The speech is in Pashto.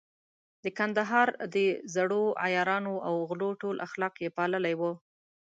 د کندهار د زړو عیارانو او غلو ټول اخلاق يې پاللي وو.